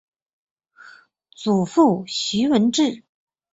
祖父徐文质。